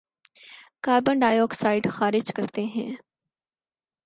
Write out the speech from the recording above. carbon dioxide خارج کرتے ہیں